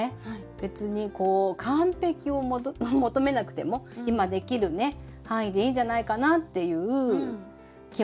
別にこう完璧を求めなくても今できるね範囲でいいんじゃないかなっていう気持ちにね。